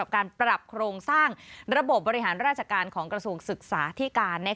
การปรับโครงสร้างระบบบบริหารราชการของกระทรวงศึกษาที่การ